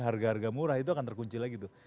harga harga murah itu akan terkunci lagi tuh